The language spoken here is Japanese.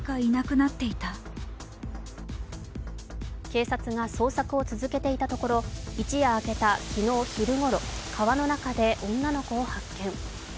警察が捜索を続けていたところ一夜明けた昨日昼ごろ川の中で女の子を発見。